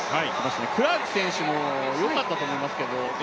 クラーク選手もよかったと思いますけど。